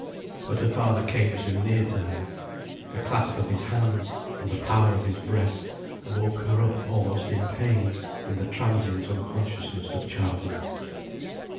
But her father came too near to her. The clasp of his hands and the power of his breast woke her up almost in pain from the transient unconsciousness of childhood.